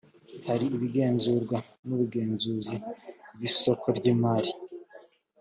hari ibigenzurwa n’ubugenzuzi bw isoko ry’imari